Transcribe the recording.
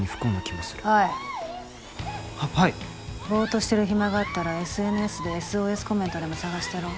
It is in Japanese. ぼうっとしてる暇があったらＳＮＳでＳＯＳコメントでも探してろ。